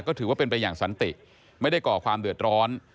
ก็ถือว่าเป็นไปอย่างสันติไม่ได้ก่อความเดือดร้อน